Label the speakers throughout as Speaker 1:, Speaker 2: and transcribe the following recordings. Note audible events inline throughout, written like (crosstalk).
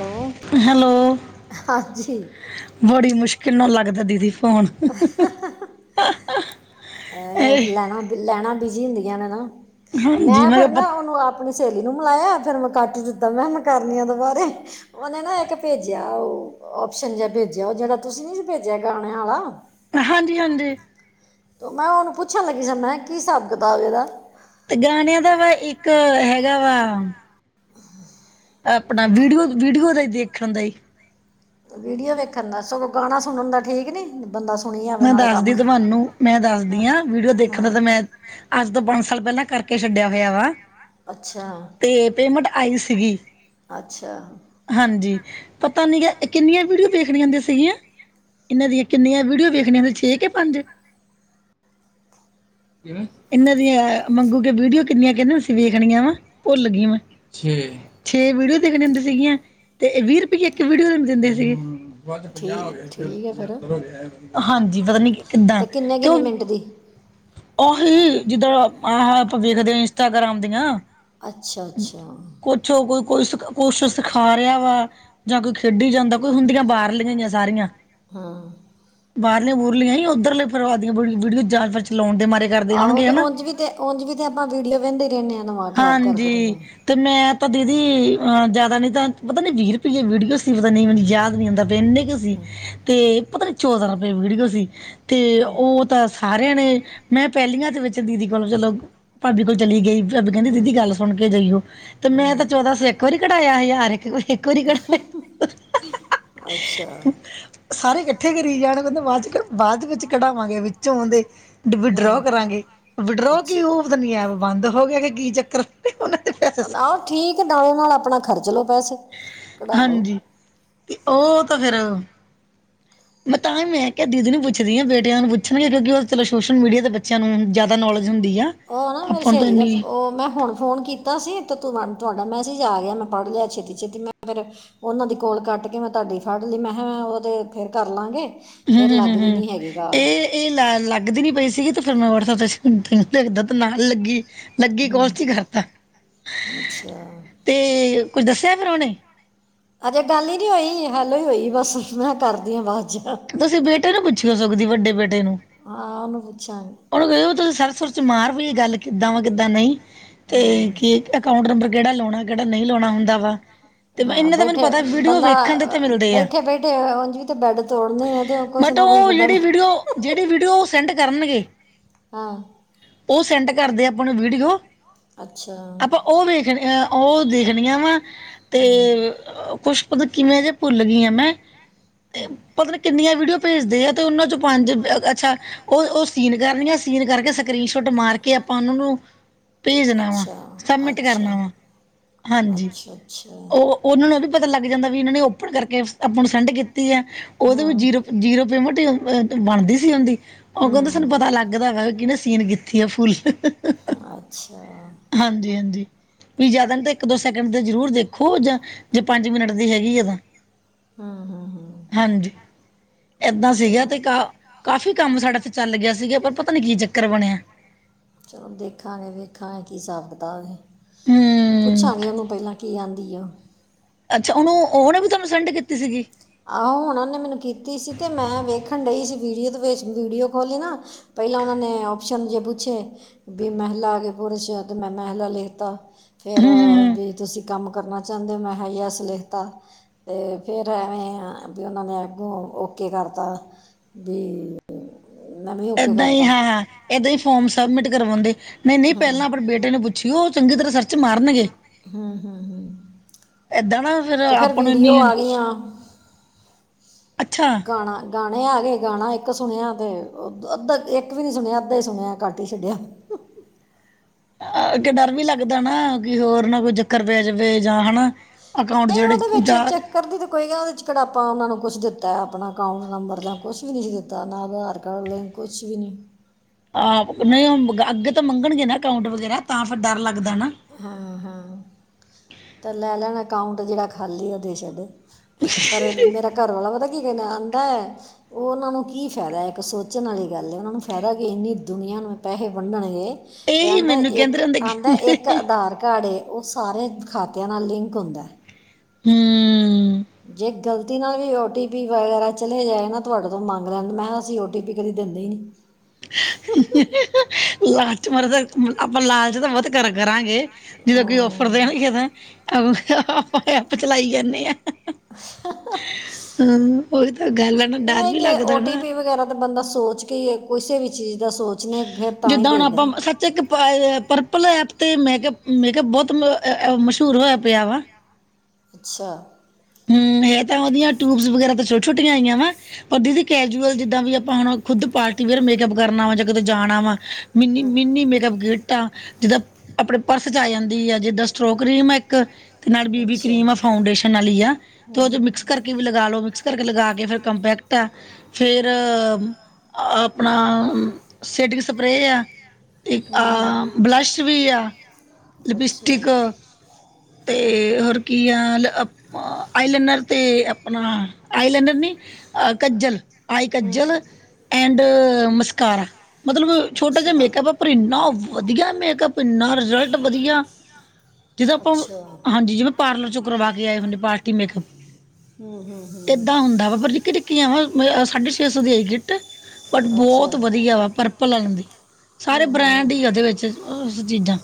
Speaker 1: Hello
Speaker 2: hello
Speaker 1: ਹਾਂਜੀ
Speaker 2: ਬੜੀ ਮੁਸ਼ਕਿਲ ਨਾਲ ਲੱਗਦਾ ਦੀਦੀ ਫੋਨ ਇਹ
Speaker 1: ਲੈਣਾ-ਲੈਣਾ ਬਿਜ਼ੀ ਹੁੰਦੀਆਂ ਨੇ ਤ
Speaker 2: ਹਾਂਜੀ
Speaker 1: ਮੈਂ ਫਿਰ
Speaker 2: ਕਿਹਾ
Speaker 1: ਨਾ
Speaker 2: ਪ-
Speaker 1: ਉਹਨੂੰ ਆਪਣੀ ਸਹੇਲੀ ਨੂੰ ਮਿਲਾਆ ਫੇਰ ਮੈਂ ਕੱਟ ਦਿੱਤਾ ਮੈਂ ਕਿਹਾ ਮੈਂ ਕਰਨੀ ਆ ਦੁਬਾਰੇ ਉਹਨੇ ਨਾ ਇੱਕ ਭੇਜਿਆ ਉਹ ਔਪਸ਼ਨ ਜਿਹਾ ਭੇਜਿਆ ਉਹ ਜੀਹੜਾ ਤੁਸੀਂ ਨਹੀਂ ਭੇਜਿਆ ਗਾਣੇ ਵਾਲਾ
Speaker 2: ਹਾਂਜੀ-ਹਾਂਜੀ
Speaker 1: ਮੈਂ ਉਹਨੂੰ ਪੁੱਛਣ ਲੱਗੀ ਸਰ ਮੈਂ ਕੀ ਹਿਸਾਬ ਕਿਤਾਬ ਇਹਦਾ
Speaker 2: ਤੇ ਗਾਣਿਆਂ ਦਾ ਵਾ ਇੱਕ ਹੈਗਾ ਵਾ ਆਪਣਾ ਵੀਡੀਓ-ਵੀਡੀਓ ਦਾ ਹੀ ਦੇਖਣ ਦਾ ਹੀ
Speaker 1: ਵੀਡੀਓ ਵੇਖਣ ਦਾ ਸਗੋਂ ਗਾਣਾ ਸੁਣਨ ਦਾ ਠੀਕ ਨੀ ਬੰਦਾ ਸੁਣੀਏ
Speaker 2: ਮੈਂ ਦੱਸਦੀ ਤੁਹਾਨੂੰ ਮੈਂ ਦੱਸਦੀ ਆਾਂ ਵੀਡੀਓ ਦੇਖਣ ਦਾ
Speaker 1: ਹਾਂ
Speaker 2: ਤਾਂ ਮੈਂ ਅੱਜ ਤੋਂ ਪੰਜ ਸਾਲ ਪਹਿਲਾਂ ਕਰਕੇ ਛੱਡਿਆ ਹੋਇਆ ਵਾ
Speaker 1: ਅੱਛਾ
Speaker 2: ਤੇ ਪੇਮੈਂਟ ਆਈ ਸੀਗੀ
Speaker 1: ਅੱਛਾ
Speaker 2: ਹਾਂਜੀ ਪਤਾ ਨੀ ਗਿਆ ਕਿੰਨੀਆਂ ਵੀਡੀਓ ਵੇਖਣ ਹੁੰਦੀਆਂ ਸੀਗੀਆਂ ਇਹਨਾਂ ਦੀਆਂ ਕਿੰਨੀਆਂ ਵੀਡੀਓ ਵੇਖਣੀਆਂ ਛੇ ਕਿ ਪੰਜ ਇਹਨਾਂ ਦੀਆਂ ਮੰਗੂ ਕੇ ਵੀਡੀਓ ਕਿੰਨੀਆਂ ਕਹਿੰਦੇ ਅਸੀਂ ਵੇਖਣੀਆਂ ਵਾ ਭੁੱਲ ਗਈ ਵਾ ਛੇ ਵੀਡੀਓ ਦੇਖਣ ਦਿੰਦੀ ਸੀਗੀਆਂ ਤੇ ਵੀਹ ਰੁਪਈਏ ਇੱਕ ਵੀਡੀਓ ਦਿੰਦੇ ਸੀਗੇ ਪੰਜਾਹ ਹੋ ਗਏ
Speaker 1: ਠੀਕ ਠੀਕ ਹੈ
Speaker 2: ਸੀ
Speaker 1: ਫਿਰ
Speaker 2: ਹੋ ਹਾਂਜੀ ਪਤਾ ਨੀ ਕਿੱਦਾਂ
Speaker 1: ਕਿੰਨੇ
Speaker 2: ਤੇ
Speaker 1: ਕਿੰਨੇ
Speaker 2: ਉਹ
Speaker 1: ਮਿੰਟ ਦੀ
Speaker 2: ਉਹੀ ਜਿੱਦਰ ਆ ਆਪ ਵੇਖਦੇ ਇੰਸਟਾਗ੍ਰਾਮ ਦੀਆਂ
Speaker 1: ਅੱਛਾ ਅੱਛਾ
Speaker 2: ਪਿੱਛੋਂ ਕੋਈ ਕੁ ਕੁਛ ਸਿਖਾ ਰਿਹਾ ਵਾ ਜਾਂ ਕੋਈ ਖੇਡੀ ਜਾਂਦਾ ਕੋਈ ਹੁੰਦੀਆਂ ਬਾਹਰਲੀਆਂਈਆਂ ਸਾਰੀਆਂ
Speaker 1: ਹਾਂ
Speaker 2: ਬਾਹਰਲੀਆਂ ਬੁਰਲੀਆਂ ਹੀ ਉੱਧਰਲੇ ਫਿਰਵਾ ਦੀਆਂ ਵੀਡੀਓ ਜਾਨ ਫਰ ਚਲਾਉਣ ਦੇ ਮਾਰੇ ਕਰਦੇ
Speaker 1: ਆਹੋ
Speaker 2: ਹੋਣਗੇ
Speaker 1: ਤੇ
Speaker 2: ਹਨਾ।
Speaker 1: ਉਚ ਵੀ ਉਚ ਵੀ ਤੇ ਆਪਾਂ ਵੀਡੀਓ ਵਹਿੰਦੇ ਹੀ ਰਹਿੰਦੇ ਹਾਂ ਦਿਮਾਗ਼ਰਾਬ ਕਰਦੇ ਰਹਿੰਦੇ ਹਾਂ
Speaker 2: ਅਤੇ ਮੈਂ ਤਾਂ ਦੀਦੀ ਜ਼ਿਆਦਾ ਨਹੀਂ ਤਾਂ ਪਤਾ ਨਹੀਂ ਵੀਹ ਰੁਪਈਏ ਵੀਡੀਓ ਸੀ ਪਤਾ ਨਹੀਂ ਮੈਨੂੰ ਯਾਦ ਨਹੀਂ ਆਉਂਦਾ ਪਏ ਇੰਨੇ ਕੁ ਤੇ ਪਤਾ ਚੌਦਾਂ ਰੁਪਏ ਵਿੜਓ ਸੀ ਤੇ ਉਹ ਤਾਂ ਸਾਰਿਆਂ ਨੇ ਮੈਂ ਪਹਿਲੀਆਂ ਚ ਵਿੱਚ ਦੀਦੀ ਕੋਲੋਂ ਚਲੋ ਭਾਬੀ ਕੋਲ ਚਲੀ ਗਈ ਬ ਕਹਿੰਦੀ ਦੀਦੀ ਗੱਲ ਸੁਣ ਕੇ ਜਾਈਓ ਤੇ
Speaker 1: ਆ
Speaker 2: ਮੈਂ ਤਾਂ
Speaker 1: ਹਾਂ
Speaker 2: ਚੌਦਾਂ ਸੌ ਇੱਕ ਵਾਰੀ ਕਢਾਇਆ ਸੀ ਯਾਰ ਇੱਕ ਵਾਰੀ ਕਟ
Speaker 1: ਅੱਛਾ
Speaker 2: ਸਾਰੇ ਕੱਟ ਕਿੱਥੇ ਕਰੀ ਜਾਣਗੇਦੇ ਬਾਅਦ ਚ ਬਾਅਦ ਵਿੱਚ ਕਢਾਵਾਂਗੇ ਵਿੱਚੋਂ ਦੇ ਵਿਡਰੋ
Speaker 1: ਹੂੰ
Speaker 2: ਕਰਾਂਗੇ ਵਿਡਰੋ ਕੀ ਉ
Speaker 1: ਅੱਛਾ
Speaker 2: ਨ ਹੈ ਬੰਦ ਹੋ ਗਿਆ ਕਿ ਕੀ ਚੱਕਰ ਉਹਨਾਂ ਦੇ ਪੈਸੇ
Speaker 1: ਆਹੋ ਠੀਕ ਨਾਲੋਂ ਨਾਲ ਆਪਣਾ ਖਰਚ ਲੋੋ ਪੈਸੇ ਕਢਾ ਲਓ
Speaker 2: ਹਾਂਜੀ ਤੇ ਉਹ ਤਾਂ ਫੇਿਰ ਮੈਂ ਤਾਂ ਹੀ ਮੈਂ ਕਿਹਾ ਦੀਦੀ ਨੂੰ ਪੁੱਛਦੀ ਹਾਂ ਬੇਟਿਆਂ ਨੂੰ ਪੁੱਛਣਗੇ ਕਿਉਂਕਿ ਉਹ ਚਲੋ ਸੋਸ਼ਲ ਮੀਡੀਆ ' ਬੱਚਿਆਂ ਨੂੰ ਜ਼ਿਆਦਾ ਨੌਲੇਜ ਹੁੰਦੀ ਆ
Speaker 1: ਉਹ ਨਾ ਮੇਰੀ
Speaker 2: ਆਪਾਂ ਨੂੰ ਤਾਂ
Speaker 1: ਸਹੇਲੀ ਦਾ
Speaker 2: ਇੰਨੀ
Speaker 1: ਉਹ ਮੈਂ ਹੁਣ ਫੋਨ ਕੀਤਾ ਤਾਂ ਅਸੀਂ ਤਾਂ ਤੂੰ ਮ ਤੁਹਾਡਾ ਮੈਸੇਜ ਆ ਗਿਆ ਮੈਂ ਪੜ੍ਹ ਲਿਆ ਛੇਤੀ ਛੇਤੀ ਮੈਂ ਫਿਰ ਉਹਨਾਂ ਦੀ ਕੋਲ ਕੱਟ ਕੇ ਮੈਂ ਤੁਹਾਡੀ ਫੜ ਲਈ ਮੈਂ ਕਿਹਾ ਉਹ ਤੇ ਫੇਰ ਕਰ ਲਾਂਗੇ
Speaker 2: ਹਮ
Speaker 1: ਫਿਰ
Speaker 2: ਹਮ ਹਮ
Speaker 1: ਲੱਗਦੀ
Speaker 2: ਹਮ
Speaker 1: ਨਹੀਂ ਹੈਗੀ ਗਾਲ
Speaker 2: ਇਹ ਇਹ ਲ ਲੱਗਦੀ ਨੀ ਪਈ ਸੀਗੀ ਤੇ ਫਿਰ ਮੈਂ ਨਾਲ ਲੱਗੀ ਲੱਗੀ
Speaker 1: ਹੂੰ
Speaker 2: ਕੋਹਲ ਸੀ ਕਰਤਾ
Speaker 1: ਅੱਛਾ
Speaker 2: ਤੇ ਕੁੱਝ ਦੱਸਿਆ ਫਿਰ ਉਹਨੇ
Speaker 1: ਅਜੇ ਗੱਲ ਹੀ ਨੀ ਹੋਈ ਹੈਲੋਈ ਹੋਈ ਬਸ ਮੈਂ ਕਰਦੀ ਹ ਬਾਵਾਜ਼ ਚ
Speaker 2: ਤੁਸੀਂ ਬੇਟੇ ਨੂੰ ਪੁੱਛੀ ਹੋ ਸਕਦੀ ਵੱਡੇ ਬੇਟੇ ਨੂੰ
Speaker 1: ਆਨ ਕੁਛਣ
Speaker 2: ਉਹਨੂੰ ਕ ਤੁਸੀਂ ਸਰਸੁਰ ਚ ਮਾਰ ਵੀ ਗੱਲ ਕਿੱਦਾਂ ਵਾ ਕਿੱਦਾਂ ਨਹੀਂ ਤੇ
Speaker 1: ਹਾਂ
Speaker 2: ਕੀ ਅਕਾਊਂਟ ਨੰਬਰ ਕਿਹੜਾ ਲਾਉਣਾ ਕਿਹੜਾ ਨਹੀਂ ਲਾਉਣਾ ਹੁੰਦਾ ਵਾ ਤੇ
Speaker 1: ਹਾਂ
Speaker 2: ਇਹਨਾਂ ਦਾ ਮੈਨੂੰ
Speaker 1: ਬੈਠੇ
Speaker 2: ਪਤਾ ਵੀਡੀਓ
Speaker 1: ਬੰਦਾ
Speaker 2: ਵੇਖਣ ਦੇ ਤਾਂ ਮਿਲਦੇ ਆ
Speaker 1: ਬੈਠੇ ਬੈਠੇ ਤੇ ਬੈਡ ਤੋੜਨੇ ਆ ਤੇ ਕੁਛ
Speaker 2: ਬਟ
Speaker 1: ਨਾ ਕੁਛ
Speaker 2: ਉਹ
Speaker 1: ਬੰਦਾ
Speaker 2: ਜਿਹੜੀ ਵੀਡੀਓ ਜਿਹੜੀ ਵੀਡੀਓ ਉਹ ਸੈਂਡ ਕਰਨਗੇ
Speaker 1: ਹਾਂ
Speaker 2: ਉਹ ਸੈਂਡ ਕਰਦੇ ਆਪਾਂ ਨੂੰ ਵੀਡੀਓ
Speaker 1: ਅੱਛਾ
Speaker 2: ਆਪਾਂ ਉਹ ਵੇਖ ਉਹ ਦੇਖਣੀਆਂ ਵਾ ਅਤੇ
Speaker 1: ਹਮ,
Speaker 2: ਕੁਸ਼ਪਤ ਕਿਵੇਂ ਜੇਹੇ ਭੁੱਲ ਗਈ ਹਾਂ ਮੈਂ ਤੇ ਪਤਾ ਨ ਕਿੰਨੀਆਂ ਵੀਡੀਓ ਭੇਜਦੇ ਆ ਤੇ ਉਹਨਾਂ ਚ ਪੰਜ ਅੱਛਾ ਉਹ ਸੀਨ ਕਰਨੀੀਆਂ ਸੀਨ ਕਰਕੇ ਸਕਰੀਨ ਸ਼ੋਟ ਮਾਰ ਕੇ ਆਪਾਂ ਉਹਨਾਂ ਨੂੰ ਭੇਜਣਾ ਵਾ
Speaker 1: ਅੱਛਾ
Speaker 2: ਸਬਮਿਟ
Speaker 1: ਅੱਛਾ
Speaker 2: ਕਰਨਾ ਵਾ ਹਾਂਜੀ
Speaker 1: ਅੱਛਾ ਅੱਛਾ
Speaker 2: ਉਹ ਉਹਨਾਂ ਨੂੰ ਇਹ ਵੀ ਪਤਾ ਲੱਗ ਜਾਂਦਾ ਵੀ ਉਹਨਾਂ ਨੇ ਓਪਨ ਕਰਕੇ ਆਪਾਂ ਨੂੰ ਸੈਂਡ ਕੀਤੀ ਹੈ ਉਹਦੇ ਵੀ
Speaker 1: ਹਮ
Speaker 2: ਜੀਰੋ ਜੀਰੋ ਪੇਮੈਂਟ ਹੀ ਬਣਦੀ ਸੀ ਉਹਦੀ ਉਹ ਕਹਿੰਦੇ ਸਾਨੂੰ
Speaker 1: ਹਮ
Speaker 2: ਪਤਾ ਲੱਗਦਾ ਵਾ ਕਿਹਨੇ ਸੀਨ ਗਿੱਥ ਆ ਫੁੱਲ
Speaker 1: ਅੱਛਾ
Speaker 2: ਹਾਂਜੀ ਹਾਂਜੀ ਵੀ ਜ਼ਿਆਦਾ ਤਾਂ ਇੱਕ ਦੋ ਸੈਕਿੰਡ ਤੇ ਜ਼ਰੂਰ ਦੇਖ ਖੋ ਜਾਂ ਜੇ ਪੰਜ ਮਿੰਟ ਦੀ ਹੈਗੀ ਆ ਤਾਂ
Speaker 1: ਹਾਂ
Speaker 2: ਹਾਂਜੀ ਏਦਾਂ
Speaker 1: ਚਲੋ
Speaker 2: ਸੀਗਾ ਤੇ ਕਾਫੀ ਕਾਫੀ ਕੰਮ ਸਾਡਾ ਇਥੇ ਚੱਲ ਗਿਆ ਸੀਗਾ ਪਰ ਪਤਾ ਨੀ ਕੀ ਚੱਕਰ ਬਣਿਆ
Speaker 1: ਚਲੋ ਦੇਖਾਂਗੇ ਵੇਖਾਂਗੇ ਕੀ ਹਿਸਾਬ ਕਿਤਾਬ ਹੈ
Speaker 2: ਹੂੰ
Speaker 1: ਪੁੱਛਾਂਗੇ ਉਹਨੂੰ ਪਹਿਲਾਂ ਕੀ ਆਉਂਦੀ ਆ
Speaker 2: ਅੱਛਾ ਉਹਨੂੰ ਉਹਨੇ ਵੀ ਤੁਹਾਨੂੰ ਸੈਂਡ ਕੀਤੀ ਸੀਗੀ
Speaker 1: ਆਹੋ ਹੁਣ ਉਹ ਨੇ ਮੈਨੂੰ ਕੀਤੀ ਸੀ ਅਤੇ ਮੈਂ ਵੇਖਣ ਡਈ ਸੀ ਵੀਡੀਓ ਤੋਂ ਵੇ ਵੀਡੀਓ ਖੋਲੀ ਨਾਂ ਪਹਿਲਾਂ ਉਹਨਾਂ ਨੇ ਓਪਸ਼ਨ ਜੇ ਪੂੱਛੇ ਵੀ ਮਹਿਲਾ ਆ ਗਿਆ ਪੁਰਸ਼ ਤੇ ਮੈਂ ਮਹਿਲਾ ਲਿਤਾ ਫਿਰ
Speaker 2: ਹੂੰ
Speaker 1: ਵੀ ਤੁਸੀਂ ਕੰਮ ਕਰਨਾ ਚਾਹੁੰਦੇ ਹੋ ਮੈਂ ਹਾਈ ਹੈਸ ਲਿਖਤਾ ਤੇ ਫਿਰ ਐਵੇਂ ਵੀ ਉਹਨਾਂ ਨੇ ਅੱਗੋਂ ਓਕੇ ਕਰਤਾ ਵੀ ਮੈਂ ਵੀ ਓਕੇ
Speaker 2: ਏਦਾਂ ਹੀ
Speaker 1: ਕਰਤਾ
Speaker 2: ਹਾਂ ਹਾਂ ਏਦਾਂ ਹੀ ਫੋਰਮ ਸਬਮਿਟ ਕਰਵਾਉਂਦੇ ਨਹੀਂ ਨਹੀਂ ਪਹਿਲਾਂ ਆਪਣੇ ਬੇਟੇ ਨੂੰ ਪੁ ਪੁੱਛ ਲਵੋ ਉਹ ਚੰਗੀ ਤਰ੍ਹਾਂ ਸਰਚ ਮਾਰਨ ਗੇ
Speaker 1: ਹਮ ਹਮ ਹਮ
Speaker 2: ਏਦਾਂ ਨਾ
Speaker 1: ਤੇ ਫਿਰ
Speaker 2: ਆਪਾਂ ਨੂੰ ਇੰਨੀ
Speaker 1: ਵੀਡੀਓ ਆ ਗਈਆਂ
Speaker 2: ਅੱਛਾ
Speaker 1: ਗਾਣਾ ਗਾਣੇ ਆ ਗੇਏ ਗਾਣਾ ਇੱਕ ਸੁਣਿਆ ਤੇ ਅੱਧਾ ਇੱਕ ਵੀ ਨੀ ਸੁਣਿਆ ਅੱਧਾ ਹੀ ਸੁਣਿਆ ਘੱਟ ਹੀ ਛੱਡਿਆ
Speaker 2: ਕਿ ਡਰ ਵੀ ਲੱਗਦਾ ਨਾ ਕਿ ਹੋਰ ਨਾ ਕੋਈ ਚੱਕਰ ਪੈ ਜਾਵੇ ਜਾਂ ਹਨਾ ਅਕਾਊਂਟ
Speaker 1: ਨਹੀਂ
Speaker 2: ਜਿਹੜੇ
Speaker 1: ਉਹਦੇ ਵਿੱਚ ਐ
Speaker 2: ਜਾਂ
Speaker 1: ਚੈਕ ਕਰਦੀ ਤਾਂ ਕੋਈ ਗੱਲ ਉਹਦੇ ਚ ਕਿਹੜਾ ਉਹਨਾਂ ਨੂੰ ਕੁੱਛ ਦਿੱਤਾ ਆਪਣਾ ਅਕਾਊਂਟ ਨੰਬਰ ਜਾਂ ਕੁੱਛ ਵੀ ਨਹੀਂ ਸੀ ਦਿੱਤਾ ਨਾ ਆਧਾਰ ਕਾਰਡ ਲਿੰਕ ਕੁੱਛ ਵੀ ਨਹੀਂ
Speaker 2: ਆਹ ਨਹੀਂ ਉਹ ਅੱਗੇ ਤਾਂ ਮੰਗਣਗੇ ਨਾ ਅਕਾਊਂਟ ਵਗੈਰਾ ਤਾਂ ਫਿਰ ਡੱਰ ਲੱਗਦਾ ਨਾ
Speaker 1: ਹਾਂ ਹਾਂ ਤਾਂ ਲੈ ਲੈਣ ਅਕਾਊਂਟ ਜਿਹੜਾ ਖਾਲੀ ਉਹ ਦੇ ਛੱਡ
Speaker 2: ਅੱਛ (unintelligible) (unintelligible)
Speaker 1: ਮੇਰਾ ਘਰ ਵਾਲਾ ਪਤਾ ਕੀ ਕਹਿੰਦਾ ਆਂਦਾ ਉਹਨਾਂ ਨੂੰ ਕੀ ਫਾਇਦਾ ਇੱਕ ਸੋਚਣ ਵਾਲੀ ਗੱਲ ਹੈ ਉਹਨਾਂ ਨੂੰ ਫਾਇਦਾ ਕਿ ਇੰਨੀ ਦੁਨੀਆ ਨੂੰ ਪੈਸੇ ਵੰਡਣਗੇ ਇਹ
Speaker 2: ਇਹੀ
Speaker 1: ਆਂਦਾ
Speaker 2: ਮੈਨੂੰ ਕਹਿੰਦੇ
Speaker 1: ਇੱਕ
Speaker 2: ਰਹਿੰਦੇ
Speaker 1: ਆਂਦਾ ਇੱਕ
Speaker 2: ਕਹਿੰਦੇ
Speaker 1: ਆਧਾਰ ਕਾਰਡ ਏ ਉਹ ਸਾਰੇ ਖਾਤਿਆਂ ਨਾਲ ਲਿੰਕ ਹੁੰਦਾ
Speaker 2: ਹਮ
Speaker 1: ਜੇ ਗ਼ਲਤੀ ਨਾਲ ਵੀ ਓ ਟੀ ਪੀ ਵਗੈਰਾ ਚਲੇ ਜਾਏ ਨਾ ਤੁਹਾਡੇ ਤੋਂ ਮੰਗ ਲੈਣ ਮੈਂ ਕਿਹਾ ਅਸੀਂ ਓ ਟੀ ਪੀ ਕਦੀ ਦਿੰਦੇ ਹੀ ਨੀ
Speaker 2: ਲਾਲਚ ਮਾਰੇ ਆਪਾਂ ਲਾਲਚ ਤਾਂ ਬਹੁੱਤ ਕਰ ਕਰਾਂਗੇ ਜਦੋਂ ਕਿ ਔਫਰ
Speaker 1: ਅਮ,
Speaker 2: ਦੇਣਗੇ ਤਾਂ ਆਪਾਂ ਆਪ ਚਲਾਈ ਜਾਂਦੇ ਆ ਹਮ ਉਹੀ ਤਾਂ ਗੱਲ ਹੈ ਨਾ ਡੱਰ
Speaker 1: ਨਹੀਂ
Speaker 2: ਵੀ
Speaker 1: ਜੇ
Speaker 2: ਲੱਗਦਾ ਨਾ
Speaker 1: ਓਟੀਪੀ ਵਗੈਰਾ ਤਾਂ ਬੰਦਾ ਸੋਚ ਕੇ ਹੀ ਕਿਸੇ ਵੀ ਚੀਜ਼ ਦਾ ਸੋਚ
Speaker 2: ਜਿੱਦਾਂ ਹੁਣ ਆਪਾਂ ਇੱਕ ਪਰਪਲ ਐਪ 'ਤੇ ਮੇਕਅੱਪ ਮੇਕਅੱਪ ਬਹੁੱਤ ਮਸ਼ਹੂਰ ਹੋਇਆ ਪਿਆ ਵਾ
Speaker 1: ਅੱਛਾ
Speaker 2: ਹਮ ਇਹ ਤਾਂ ਉਹਦੀਆਂ ਟਿਊਬਸ ਵਗੈਰਾ ਤਾਂ ਛੋਟੀਆਂ ਛੋਟੀਆਂ ਆਈਆਂ ਵਾ ਪਰ ਦੀਦੀ ਕੈਜੂਅਲ ਜਿੱਦਾਂ ਵੀ ਆਪਾਂ ਹੁਣ ਖੁੱਦ ਪਾਰਟੀ ਵੇਅਰ ਮੇਕਅੱਪ ਕਰਨਾ ਵਾ ਜਾਂ ਕਿਤੇ ਜਾਣਾ ਵਾ ਮਿੰਨੀ
Speaker 1: ਹਮ,
Speaker 2: ਮਿੰਨੀ ਮੇਕਅੱਪ ਕਿੱਟ ਤਾਂ ਜਿੱਦਾਂ ਆਪਣੇ ਪਰਸ ਚ ਆ ਜਾਂਦੀ ਆ ਜਿੱਦਾਂ ਸਟ੍ਰੋਕਰੀ ਮੈਂ ਇੱਕ ਤੇ ਨਾਲ ਬੀਬੀ
Speaker 1: ਅੱਛਾ
Speaker 2: ਕਰੀਮ ਆ
Speaker 1: ਹਮ
Speaker 2: ਫਾਊਂਡੇਸ਼ਨ ਵਾਲੀ ਆ ਤੇ ਉਹ ਚ
Speaker 1: ਹਮ,
Speaker 2: ਮਿਕਸ ਕਰਕੇ ਵੀ ਲਗਾ ਲੋ ਮਿਕਸ ਕਰਕੇ ਲਗਾ ਕੇ ਫਿਰ ਕੰਪੈਕਟ ਆ ਫਿਰ ਆਪਣਾ ਸਿਟਿਕ ਸਪਰੇਅ ਹੈ ਅਤੇ ਆ
Speaker 1: ਹਮ ਹਮ,
Speaker 2: ਬਲੱਸ਼ ਵੀ ਆ
Speaker 1: ਅੱਛਾ
Speaker 2: ਲਿਪਿਸਟਿਕ ਤੇ ਹੋਰ ਕੀ ਹਾਲ ਆਪਾ ਆਈਲੈਨਰ ਤੇ ਆਪਣਾ ਆਈਲੈਨਰ ਨੀ ਕੱਜਲ ਆਈ
Speaker 1: ਹਮ,
Speaker 2: ਕੱਜਲ ਐਂਡ ਮਸਕਾਰਾ ਮੱਤਲਬ ਛੋਟਾ ਜਿਹਾ
Speaker 1: ਅੱਛਾ
Speaker 2: ਮੇਕਅੱਪ ਪਰ ਇੰਨਾ ਵਧੀਆ ਮੇਕਅੱਪ ਇੰਨਾ ਰਿਜ਼ਲਟ ਵਧੀਆ ਜਦੋਂ ਆਪਾਂ
Speaker 1: ਅੱਛਾ ਹਮ
Speaker 2: ਹਾਂਜੀ ਜਿਵੇਂ ਪਾਰਲਰ ਚੋਂ ਕਰਵਾ ਕੇ ਆਏ ਹੁੰਦੇ ਪਾਰਟੀ
Speaker 1: ਹਮ ਹਮ
Speaker 2: ਏਦਾਂ ਹੁੰਦਾ ਵਾ ਪਰ ਨਿੱਕੀ ਟਿੱਕੀਆਂ ਵਾ ਸਾਢੇ ਛੇ ਸੌ ਦੀ ਆਈ ਕਿੱਟ ਬਟ
Speaker 1: ਅੱਛਾ
Speaker 2: ਬਹੁਤ ਵਧੀਆ ਵਾ ਪਰਪਲ ਆ ਦੀ ਸਾਰੇ
Speaker 1: ਹਮ ਹਮ ਹਮ,
Speaker 2: ਬ੍ਰੈਂਡ ਹੀ ਉਹਦੇ ਵਿੱਚ ਉਸ ਚੀਜ਼ਾਂ।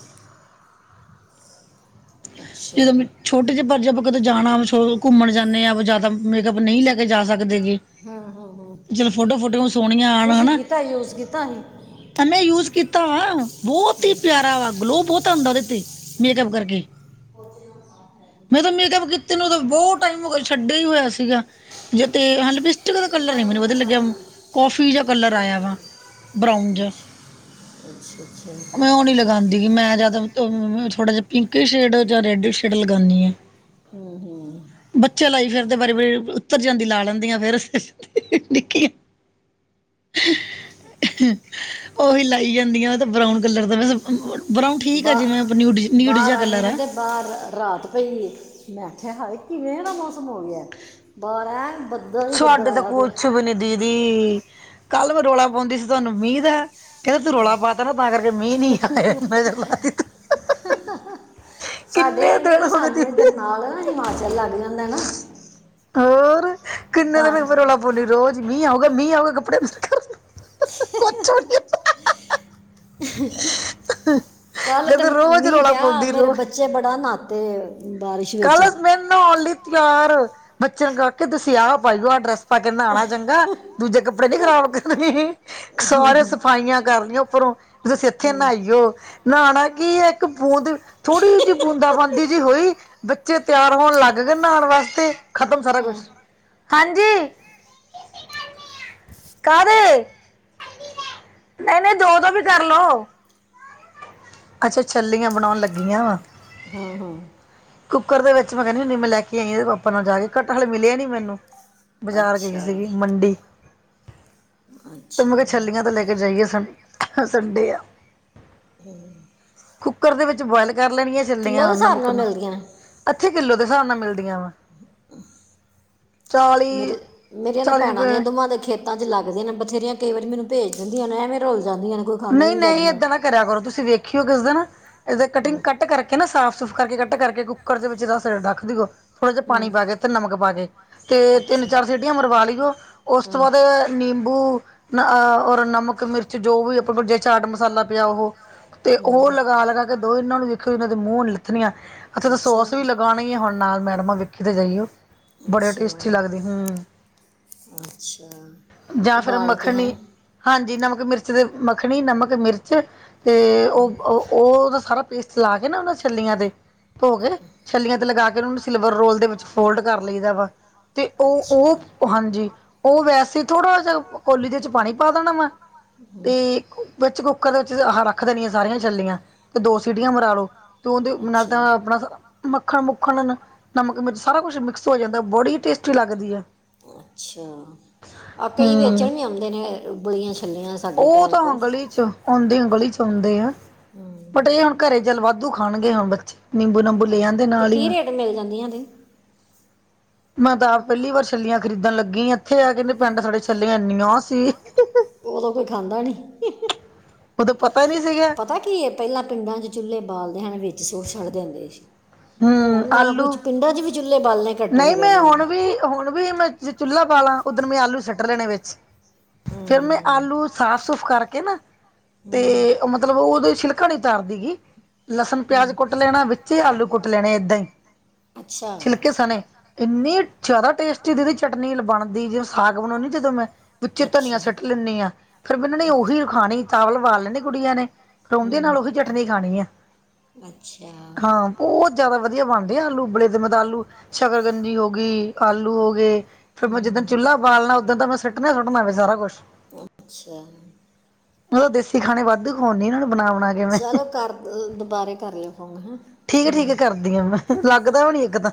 Speaker 1: ਅੱਛਾ
Speaker 2: ਜਦੋਂ ਮਿੱਠ। ਛੋਟੇ ਜਿਹੇ ਪਰਜੇ ਆਪਾਂ ਕਦੇੋਂ ਜਾਣਾ ਘੁੰਮਣ ਜਾਂਦੇ ਹਾਂ। ਜਿਆਦਾ ਮੇਕਅਪ ਨਹੀਂ ਲੈ ਕੇ ਜਾ ਸਕਦੇ ਗ।
Speaker 1: ਹਮ ਹਮ ਹਮ
Speaker 2: ਜਦੋ ਫੋਟੋ ਫੋਟੋਆਂ ਸੋਣੀਆਂ ਆਉਣ ਹੈ
Speaker 1: ਤੁਸੀਂ
Speaker 2: ਨਾ।
Speaker 1: ਕੀਤਾ ਯੂਜ਼ ਕੀਤਾ ਸੀ
Speaker 2: ਐ ਮੇ ਯੂਜ ਕੀਤਾ ਵਾ ਬਹੁਤ ਹੀ ਪਿਆਰਾ ਵਾ ਗਲੋ ਬਹੁਤ ਆਉਂਦਾ ਉਹਦੇ ਤੇ ਮੇਕਅਪ ਕਰਕੇ
Speaker 1: (unintelligible)
Speaker 2: ਮੈਂ ਤਾਂ ਮੇਕਅਪ ਕੀਤੇ ਨੇ ਬਹੁਤ ਟਾਈਮ ਹੋਗ ਛੱਡਿਆ ਹੀ ਹੋਇਆ ਸੀਗਾ ਜੇ ਤੇ ਹ ਵੀ ਦਾ ਕਲਰ ਨ ਮੈਨੂੰ ਵਧੀਆ ਲੱਗਿਆ ਕੌਫੀ ਜ ਕਲਰ ਆਇਆ ਵਾ ਬਰਾਾਊਨਜ
Speaker 1: (unintelligible)
Speaker 2: ਹੈਜੀ ਮੈ ਜਿਆਦਾ ਥੋੜਾ ਜਿਹਾ ਪਿੰਕ ਸ਼ੇਡ ਜਾਂ ਰੈਡ ਸ਼ੇਡ ਲਗਾਉਂਦੀ ਆ।
Speaker 1: ਹਮ, ਹਮ।
Speaker 2: ਬੱਚੇ ਲਾਈ ਫਿਰ ਤੇ ਬਾਰੀ ਬਾਰੀ ਉੱਤਰ ਜਾਂਦੀ ਲਾ ਲੈਂਦੀਆਂ ਫੇਿਰ ਨਿੱਕੀਆਂ। ਉਹੀ ਲਾਈ ਜਾਂਦੀਆਂ ਤੇ ਬਰਾਉਨ ਕਲਰ ਦਾ ਮੈਂ। ਬਰਾਊ ਠੀਕ ਹੈ।
Speaker 1: ਬਾ
Speaker 2: ਜਿਵੇੈਂ ਨਿਊ ਡ ਨਿਊ ਡ
Speaker 1: ਬਾਹਰ
Speaker 2: ਜਿਹਾ
Speaker 1: ਆਈ
Speaker 2: ਕਲਰ
Speaker 1: ਹਾਂ
Speaker 2: ਆ।
Speaker 1: ਤੇ ਬਾਹਰ ਰਾਤ ਪਈ ਮੈਂ ਆਖਿਆ ਕਿਵੇਂ ਦਾ ਮੌਸਮ ਹੋ ਗਿਆ। ਬਰਾ ਬ
Speaker 2: ਤੁਹਾਡੇ ਤਾਂ ਕੁੱਛ ਵੀ ਨੀ ਦੀਦੀ ਕੱਲ ਵੀ ਰੌਲਾ ਪਾਉਂਦੀ ਸੀ ਤੁਹਾਨੂੰ ਉਮੀਦ ਹੈ। ਕਹਿੰਦੇ ਤੂੰ ਰੌਲਾ ਪਾਤਾ ਨਾ ਤਾਂ ਕਰਕੇ ਮੀਂ ਨ ਨਹੀਂ ਆਇਆ ਨ ਚਰ ਲਾ ਤ ਤ।
Speaker 1: ਸਾਡੇ
Speaker 2: ਕਿੰਨੇ
Speaker 1: ਆਂਗੇ
Speaker 2: ਦੇਰ
Speaker 1: ਨਾ
Speaker 2: ਹੋ ਗਏ
Speaker 1: ਸਾਨੂੰ
Speaker 2: ਜ।
Speaker 1: ਨਾਲ ਨਾ ਹਿਮਾਚਲ ਲੱਗ ਜਾਂਦਾ ਨਾ।
Speaker 2: ਹੋਰ ਕਿੰਨੇ
Speaker 1: ਤਾਂ
Speaker 2: ਦਿਨ ਰੌਲਾ ਪਾਉਦੀ ਰੋਜ਼ ਮੀਂ ਆਉਗਾ, ਮੀਂ ਆਉਗਾ ਕੱਪੜੇ ਮਰ। ਕੁਛੜ ਕੇ
Speaker 1: ਕੱਲ ਤੇ
Speaker 2: ਕਹਿੰਦੇ ਰੋਜ਼
Speaker 1: ਮੀ
Speaker 2: ਰੋਲਾ
Speaker 1: ਵਿਆਹ
Speaker 2: ਪਾਉਂਦੀ
Speaker 1: ਮੇਰੇ
Speaker 2: ਰੋਜ਼
Speaker 1: ਬੱਚੇ ਬੜਾ ਨਹਾਾਤੇ। ਬਾਰਿਸ਼। ਵਿੱਚ
Speaker 2: ਕੱਲ ਮੈਂ ਨਹਾਉਣ ਲਈ ਤਿਆਰ ਬੱਚੇ ਨੂੰ ਕ ਕੇ ਤੁਸੀ ਆਹ ਪਾਈ ਆ ਡਰੈੱਸ ਆਪ ਕਹਿੰਦਾ ਆਉਣਾ ਚੰਗਾ ਦੂਜੇ ਕੱਪੜੇ ਨੀ ਖਰਾਬ ਕਰਨ ਸਾਰੇ ਸਫਾਈਆਂ ਕਰਨ ਲਈੀਆਂ ਉੱਪਰੋਂ ਵੀ ਤੁਸੀਂ ਇੱਥੇ
Speaker 1: ਹਮ,
Speaker 2: ਨਹਾਾਈਓ। ਨਹਾਣਾ ਕੀ ਇੱਕ ਬੂੰਦ ਥੋੜ੍ਹੀ ਜ ਜਿਹੀ ਬੂੰਦਾ ਬਾਂਦੀ ਜਿਹੀ ਹੋਈ ਬੱਚੇ ਤਿਆਰ ਹੋਣ ਲੱਗ ਗਏ ਨਹਾਉਣ ਵਾਸਤੇ ਖਤਮ ਸਾਰਾ ਕੁਛ
Speaker 1: ਹਾਂ
Speaker 2: ਹਾਂਜੀ। ਕਾਹਦੇ ਨਹੀਂ ਨਹੀਂ ਦੋ ਦੋ ਵੀ ਕਰਲੋ ਅੱਛਾ ਛੱਲੀਆਂ ਬਣਾਉਣ ਲੱਗੀਆਂ ਵਾ।
Speaker 1: ਹਮ, ਹਮ।
Speaker 2: ਕੁੱਕ ਦੇ ਵਿੱਚ ਮੈਂ ਕਹਿੰਦੀ ਹੁੰਦੀ ਮੈਂ ਲੈ ਕੇ ਆਈ ਆ ਪਾਪਾਂ ਨਾਲ ਜਾ ਕੇ ਕੱਟਾ ਹੇ ਮਿਲਿਆ ਨੀ ਮੈਨੂੰ। ਬਾਜ਼ਾਰ ਗਈ
Speaker 1: ਅੱਛਾ
Speaker 2: ਸੀਗੀ ਮੰਡੀ। ਤੇ ਮੈਂ
Speaker 1: ਅੱਛਾ
Speaker 2: ਕਿਹਾ ਛੱਲੀਆਂ ਤੋਂ ਲੈ ਕੇ ਜਾਈਏ ਸੰ ਸੰਡੇ ਆ
Speaker 1: ਹਮ।
Speaker 2: ਕੁੱਕਰ ਦੇ ਵਿੱਚ ਬੁਆਇਲ ਕਰ ਲੈਣੀਆਂ ਚੱਲੀਆਂ
Speaker 1: ਦੇ
Speaker 2: ਹੁਣ
Speaker 1: ਹਿਸਾਬ
Speaker 2: ਨਮਕ
Speaker 1: ਨਾਲ
Speaker 2: ਨੂੰ
Speaker 1: ਮਿਲਦੀਆਂ
Speaker 2: ਅੱਥੇ ਕਿੱਲੋ ਦੇ ਹਿਸਾਬ ਨਾਲ ਮਿਲਦੀਆਂ ਵਾ। ਚਾਲੀ
Speaker 1: ਮੇਰੇ ਮੇਰੀਆਂ ਨੇ
Speaker 2: ਚਾਲੀ
Speaker 1: ਭੈਣਾਂ ਦੀਆਂ
Speaker 2: ਰੁਪਏ
Speaker 1: ਦਵਾਂ ਦੇ ਖੇਤ ਚ ਲੱਗਦੇ ਨੇ ਬਥੇਆਂ ਕਈ ਵਾਰੀ ਮੈਨੂੰ ਭੇਜ ਦਿੰਦੀ ਨੇ ਐਵੇਂ ਰੁਲ ਜਾਂਦੀਆਂ ਨੇ ਕੋਈ। ਖਾਂਦਾ ਹੀ
Speaker 2: ਨਹੀਂ ਨ,
Speaker 1: ਜੱਜ
Speaker 2: ਹੀਂ
Speaker 1: ਨਾਲ
Speaker 2: ਏਦਾਂ ਦਾ ਕਰਿਆ ਕਰੋ ਤੁਸੀਂ ਵੇਖਿਓ ਕਿਸ ਦਿਨ। ਇਹਦੇ ਕਟਿੰਗ
Speaker 1: ਹੂੰ
Speaker 2: ਕੱਟ ਕਰਕੇ ਨਾ ਸਾਫ਼ ਸੁੂਫ਼ ਕਰਕੇ ਕੱਟ ਕਰਕੇ ਕੁੱਕਰ ਦੇ ਵਿੱਚ ਦੱਸ ਰੱਖ ਦਿੋ। ਥੋੜਾ ਜਿਹਾ ਪਾਣੀ
Speaker 1: ਹੂੰ
Speaker 2: ਪਾ ਕੇ ਤੇ ਨਮਕ ਪਾ ਕੇ ਤੇ ਤਿੰਨ
Speaker 1: ਅੱਛਾ
Speaker 2: ਚਾਰ ਸ ਸੀਟੀਆਂ ਮਰਵਾ ਲਈਿਓ ਉਸ ਤੋਂ
Speaker 1: ਹੂੰ
Speaker 2: ਬਾਅਦ ਨਿੰਬੂ ਔਰ ਨਮਕ ਮਿਰਚ ਜੋ ਵੀ ਆਪਾਂ ਜੇ ਚਾਟ ਮਸਾਲਾ ਪਿਆ ਉਹ ਤੇ ਉਹ
Speaker 1: ਹੂੰ
Speaker 2: ਲਗਾ ਲਗਾ ਕਿ ਦੋ ਇਹਨਾਂ ਨੂੰ ਦੇਖਿ ਇਹਨਾਂ ਦੇ ਮੂੰਹ ਲੱਥਣੀਆਂ। ਅੱਛੇ ਤਾਂ
Speaker 1: ਅੱਛਾ
Speaker 2: ਸੋਸ ਵੀ ਲਗਾਉਣਾ ਹੀ ਹੈ ਹੁਣ ਨਾਲ ਮੈਡਮਾਂ ਵੇਖੀ ਤਾਂ ਜਾਈਓ। ਬੜੇ ਟੇਸਟੀ
Speaker 1: ਅੱਛਾ
Speaker 2: ਲੱਗਦੀ ਹਮ।
Speaker 1: ਅੱਛਾ
Speaker 2: ਜਾਂ ਫਿਰ
Speaker 1: ਉਬਾਲ ਕੇ ਹੈ।
Speaker 2: ਮੱਖਣੀ ਹਾਂਜੀ। ਨਮਕ ਮਿਰਚ ਦੇ ਮੱਖਣੀ ਨਮਕ, ਮਿਰਚ ਤੇ ਉਹ। ਉਹਦਾ ਸਾਰਾ ਪੇਸਟ ਲਾ ਕੇ ਨਾ ਉਹਨਾਂ ਛਲੀਆਂ ਦੇ। ਧੋ ਕੇ ਛੱਲੀਆਂ ਤੇ ਲਗਾ ਕੇ ਉਹਨਾਂ ਨੇ ਸਿਲਵਰ ਰੋਲ ਦੇ ਵਿੱਚ ਫੋਲਡ ਕਰ ਲਈਦਾ ਵਾ ਤੇ ਉਹ
Speaker 1: ਅੱਛਾ
Speaker 2: ਉਹ ਹਾਂਜੀ ਉਹ ਵੈਸੇ ਥੋੜ੍ਹਾ ਜਹਾ ਕੋਲੀ ਦੇ ਵਿੱਚ ਪਾਣੀ ਪਾ ਦੇਣਾ ਵਾ ਤੇ
Speaker 1: ਹੂੰ,
Speaker 2: ਵਿੱਚ ਕੁੱਕ ਦੇ ਵਿੱਚ ਆਹ ਰੱਖ ਦੇਣੀੀਆਂ ਸਾਰੀਆਂ ਚੱਲੀਆਂ ਤੇ ਦੋ ਸੀਟੀਆਂ ਮਰਾ ਲੋ। ਤੇ ਉਹਦੇ ਨਾਲ ਤਾਂ
Speaker 1: ਅੱਛਾ
Speaker 2: ਆਪਣਾ ਮੱਖਣ ਮੁੱਖਣ ਨਮਕ ਮਿਰਚ ਸਾਰਾ ਕੁਛ ਮਿਕਸ ਹੋ ਜਾਂਦਾ ਬੜੀ ਹੀ ਟੇਸਟੀ ਲੱਗਦੀ ਹੈ।
Speaker 1: ਅੱਛਾ ਆ ਕਈ
Speaker 2: ਹੂੰ
Speaker 1: ਵੇਚਣ ਵੀ ਆਉਂਦੇ ਨੇ ਉਬਲੀਆਂ ਛੱਲੀਆਂ। ਸਾਡੇ
Speaker 2: ਉਹ
Speaker 1: ਘਰ
Speaker 2: ਤਾਂ
Speaker 1: ਕੋਲ
Speaker 2: ਗਲੀ ਚ ਆਉਂਦੀ ਗਲੀ ਚ ਆਉਂਦੇ ਆ।
Speaker 1: ਹੂੰ।
Speaker 2: ਬਟ ਏ ਹੁਣ ਘਰੇ ਚਲ ਵਾਧੂ ਖਾਣਗੇ ਹੁਣ ਬੱਚੇ ਨਿੰਬੂ ਨਾਬੂ ਲੈ
Speaker 1: ਆਹ,
Speaker 2: ਆਦੇ
Speaker 1: ਤੇ
Speaker 2: ਨਾਲ ਈ
Speaker 1: ਕੀ
Speaker 2: ਮੈ
Speaker 1: ਰੇਟ ਮਿਲ ਜਾਂਦੀਆਂ ਤੇ
Speaker 2: ਮੈਂ ਤਾਂ ਆਪ ਪਹਿਲੀ ਵਾਰ ਛੱਲੀਆਂ ਖਰੀਦਣ ਲੱਗੀ ਇੱਥੇ ਆ ਕੇ ਪਿੰਡ ਸਾਡੇ ਛੱਲੀਆਂ ਇੰਨੀਆਂ ਸੀ।
Speaker 1: ਉਦੋਂ ਕੋਈ ਖਾਂਦਾ ਨਈ।
Speaker 2: ਉਦੋਂ ਪਤਾ ਨੀ ਸੀਗਾ।
Speaker 1: ਪਤਾ ਕੀ ਐ ਪਹਿਲਾਂ ਪਿੰਡਾਂ ਚ ਚੁੱਲੇ ਬਾਲਦੇ ਹਨ ਵਿੱਚ ਸੁਟ ਛੱਡ ਦਿੰਦੇ ਸੀ। ਹੁਣ ਨਾ ਕੁ ਪਿੰਡਾਂ ਚ ਵੀ ਚੁੱਲੇ ਬਾਲਣੇ। ਘੱਟ
Speaker 2: ਨਈ
Speaker 1: ਹੋ ਗਏ
Speaker 2: ਮੈਂ
Speaker 1: ਨੇ
Speaker 2: ਹੁਣ ਵੀ ਹੁਣ ਵੀ ਮੈਂ ਚੁੱਲ੍ਹਾ ਬਾਲਾ ਉਧਣ ਮ ਆਲੂ ਸੁੱਟ ਲੈਣੇ ਵਿੱਚ ਫੇਰ ਮੈਂ
Speaker 1: ਹੂੰ
Speaker 2: ਆਲੂ ਸਾਫ਼ ਸੁਫ਼ ਕਰਕੇ ਨਾ ਤੇ
Speaker 1: ਹੂੰ
Speaker 2: ਮਤਲਬ ਉਹਦੇ ਛਿਲਕਾ ਨੀ ਤਾਰਦੀ ਗੀ। ਲਸਣ ਪਿਆਜ
Speaker 1: ਹੂੰ
Speaker 2: ਕੁੱਟ ਲੈਣਾ ਵਿਚੇ ਈ ਆਲੂ ਕੁੱਟ ਲੈਣੇ ਏਦਾਂ ਈ।
Speaker 1: ਅੱਛਾ।
Speaker 2: ਛੀਲਕੇ ਸਣੇ ਏਨੀ ਜ਼ਿਆਦਾ ਟੇਸਟੀ ਦੀਦੀ ਚਟਨੀ ਬਣਦੀ ਜ ਸਾਗ ਬਣਾਨੀ ਜਦੋਂ ਮੈਂ ਵਿੱਚੇ ਧਨੀਆ
Speaker 1: ਅੱਛਾ
Speaker 2: ਸੀਟ ਲੈਨੀ ਆ ਫੇਰ ਇਹਨਾਂ ਨੇ ਉਹੀ ਖਾਣੀ ਚਾਵਲ ਵਾਲ ਲੈਣੇ ਕੁੜੀਆਂ ਨੇ ਰੋਂਦੇ
Speaker 1: ਹੂੰ
Speaker 2: ਨਾਲ ਉਹੀ ਚਟਨੀ ਖਾਣੀ ਐ।
Speaker 1: ਅੱਛਾ।
Speaker 2: ਬੋਤ ਜ਼ਿਆਦਾ ਵਧੀਆ ਬਣਦੇ ਆ ਆਲੂ ਉਬਲੇ ਦੇ ਮਤਲਬ ਆਲੂ ਸ਼ਕਰਗੰਜੀ ਹੋ ਗਈ ਆਲੂ ਹੋ ਗਏ ਫੇਰ ਮੈਂ ਜਿੱਦਣ
Speaker 1: ਹੂੰ
Speaker 2: ਚੁੱਲਾ ਬਾਲਣਾ ਓਦਣ ਤਾਂ ਮੈਂ ਸੁਟਣਾ ਸੁਟਣਾ ਵੀ ਸਾਰਾ ਕੁਛ
Speaker 1: ਅੱਛਾ।
Speaker 2: ਮੈਂ ਤਾ ਦੇਸੀ ਖਾਣੇ ਵਾਧੂ ਖ਼ਵਾਨੀ ਇਨਾਂ ਨੂੰ ਬਣਾ ਬਣਾ ਕੇ। ਮੈਂ
Speaker 1: ਚਲੋ ਕਰ ਦ ਦੁਬਾਰੇ ਕਰ ਲਓ ਫੋਨ ਹੈ।
Speaker 2: ਠੀਕ ਹੈ ਠੀਕ ਹੈ ਕਰਦੀ ਹਾਂ ਮੈਂ ਲੱਗਦਾ ਹੋ ਨ ਇੱਕ ਤਾਂ